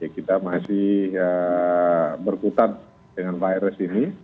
kita masih berkutat dengan virus ini